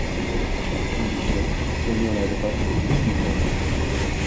Bibichon, gagnant la droite au-dessus du canapé.